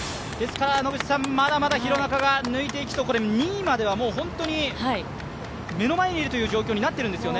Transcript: まだまだ廣中が抜いていくと、２位までは本当に目の前にいるという状況になっているんですよね。